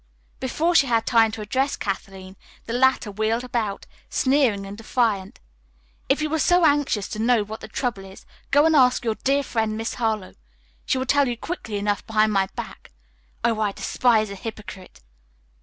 Before she had time to address Kathleen, the latter wheeled about, sneering and defiant. "If you are so anxious to know what the trouble is go and ask your dear friend, Miss Harlowe. She will tell you quickly enough behind my back. Oh, I despise a hypocrite!"